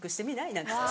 なんっつって。